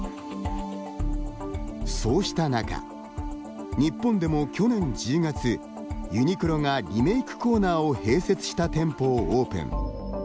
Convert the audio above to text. そうした中、日本でも去年１０月ユニクロがリメイクコーナーを併設した店舗をオープン。